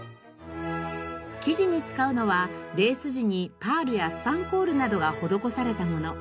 生地に使うのはレース地にパールやスパンコールなどが施されたもの。